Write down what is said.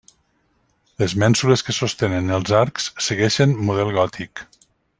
Les mènsules que sostenen els arcs segueixen model gòtic.